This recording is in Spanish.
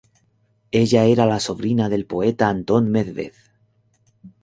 Ella era la sobrina del poeta Antón Medved.